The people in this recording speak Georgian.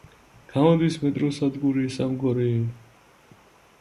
გამოდის მეტროს სადგური „სამგორი“.